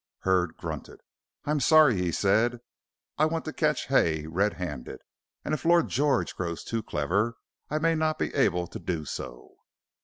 Hurd grunted. "I'm sorry," he said. "I want to catch Hay red handed, and if Lord George grows too clever I may not be able to do so."